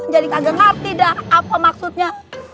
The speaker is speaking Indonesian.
jadi kagak ngerti dah apa maksudnya